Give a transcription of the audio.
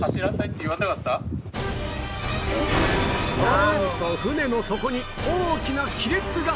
なんと船の底に大きな亀裂が！